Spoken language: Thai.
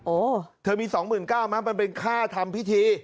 โอ๊ยเธอมี๒๙๐๐๐บาทมั้ยมันเป็นค่าทำพิธี